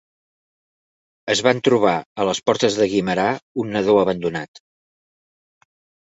Es van trobar a les portes de Guimerà un nadó abandonat.